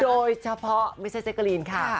โดยเฉพาะเมซิสเซกรีนค่ะ